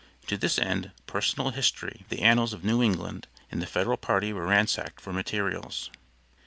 To this end, personal history, the annals of New England, and the federal party were ransacked for materials.